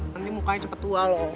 nanti mukanya cepat tua loh